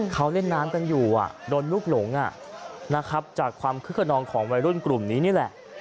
เขาเล่นน้ำกันอยู่โดนลูกหลงนะครับจากความคึกขนองของวัยรุ่นกลุ่มนี้นี่แหละ